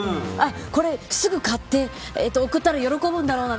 これすぐ買って送ったら喜ぶんだろうな。